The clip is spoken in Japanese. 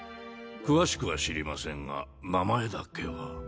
詳しくは知りませんが名前だけは。